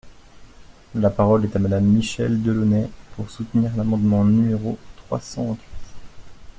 La parole est à Madame Michèle Delaunay, pour soutenir l’amendement numéro trois cent vingt-huit.